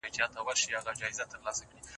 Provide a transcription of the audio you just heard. زه باید د ټیکنالوژۍ څخه خبر یم.